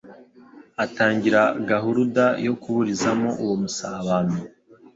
Atangira gahuruda yo kuburizamo uwo musabano.